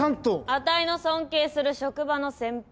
あたいの尊敬する職場の先輩